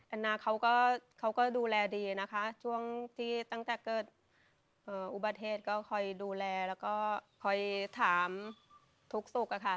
นาเขาก็เขาก็ดูแลดีนะคะช่วงที่ตั้งแต่เกิดอุบัติเหตุก็คอยดูแลแล้วก็คอยถามทุกสุขอะค่ะ